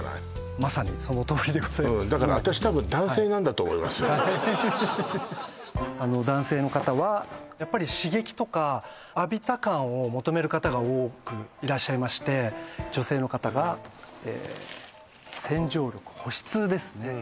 まさにそのとおりでございますだから私多分男性なんだと思います男性の方はやっぱり刺激とか浴びた感を求める方が多くいらっしゃいまして女性の方が洗浄力保湿ですね